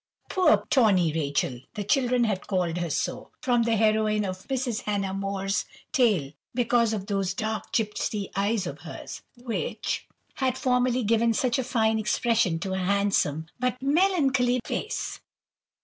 Poor "Tawny Rachel!" The children had called her so, from the heroine of Mrs. Hannah More's tale, because of those dark gipsy eyes of hers, which had formerly given such a fine expression to her handsome but melancholy face.